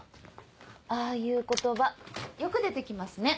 ああいう言葉よく出て来ますね。